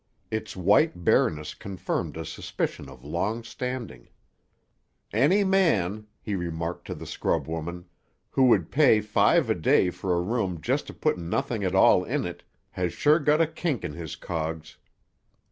Its white bareness confirmed a suspicion of long standing. "Any man," he remarked to the scrub woman, "who would pay five a day for a room just to put nothing at all in it, has sure got a kink in his cogs."